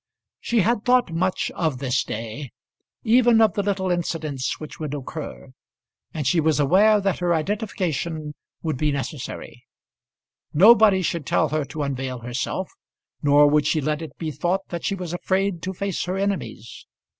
She had thought much of this day, even of the little incidents which would occur, and she was aware that her identification would be necessary. Nobody should tell her to unveil herself, nor would she let it be thought that she was afraid to face her enemies.